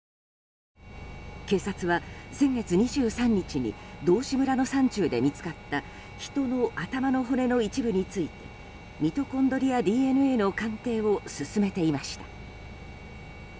警察は、先月２３日に道志村の山中で見つかった人の頭の骨の一部についてミトコンドリアＤＮＡの鑑定を進めていました。